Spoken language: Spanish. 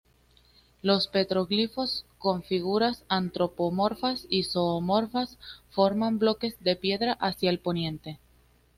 Los petroglifos, con figuras antropomorfas y zoomorfas, forman bloques de piedra hacia el poniente.